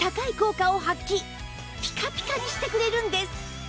ピカピカにしてくれるんです